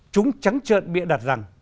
chúng trắng trợn bịa đặt rằng